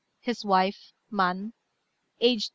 "His wife, Man, aged 38.